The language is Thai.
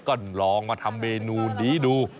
ก็ลองมาทำเมนูนี้ดู